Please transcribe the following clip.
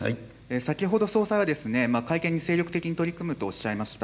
先ほど総裁は、改憲に精力的に取り組むとおっしゃいました。